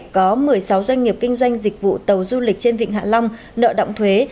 có một mươi sáu doanh nghiệp kinh doanh dịch vụ tàu du lịch trên vịnh hạ long nợ động thuế